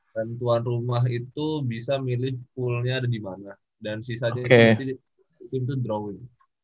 dan tuan rumah itu bisa milih poolnya ada dimana dan sisanya itu tim tuh drawing